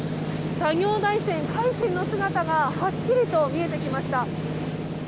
作業船「海進」の姿がはっきりと見えてきました。